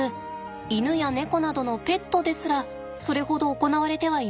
イヌやネコなどのペットですらそれほど行われてはいません。